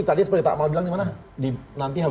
tadi seperti takmal bilang dimana nanti